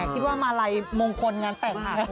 คิดว่ามาลัยมงคลงานแต่งค่ะ